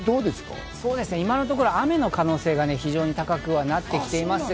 今のところ雨の可能性が高くなっています。